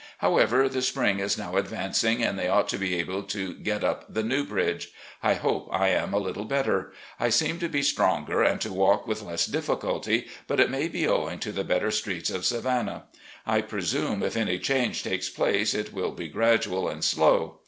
However, the spring is now advancing and they ought to be able to get up the new bridge. I hope I am a little better. I^eem * Corinne Lawton. THE SOUTHERN TRIP 395 to be stronger and to walk with less difficnlty, but it may be owing to the better streets of Savannah. I presume if any change takes place it will be gradual and dow.